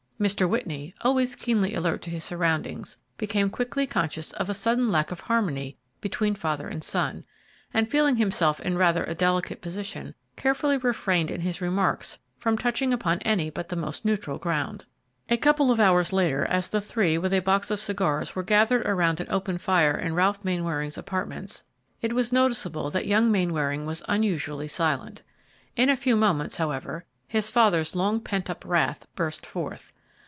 Mr. Whitney, always keenly alert to his surroundings, became quickly conscious of a sudden lack of harmony between father and son, and feeling himself in rather a delicate position, carefully refrained in his remarks from touching upon any but the most neutral ground. A couple of hours later, as the three with a box of cigars were gathered around an open fire in Ralph Mainwaring's apartments, it was noticeable that young Mainwaring was unusually silent. In a few moments, however, his father's long pent up wrath burst forth.